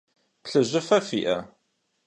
Plhıjıfe fi'e?